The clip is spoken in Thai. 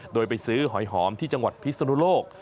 โดยไปซื้อหอยหอมที่จังหวัดพิศนุโลก